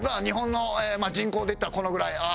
日本の人口でいったらこのぐらい。